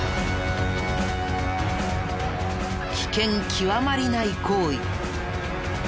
危険極まりない行為。